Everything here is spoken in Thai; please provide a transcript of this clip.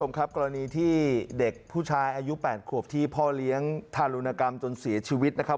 คุณผู้ชมครับกรณีที่เด็กผู้ชายอายุ๘ขวบที่พ่อเลี้ยงทารุณกรรมจนเสียชีวิตนะครับ